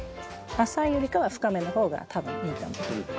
浅いよりかは深めの方が多分いいと思います。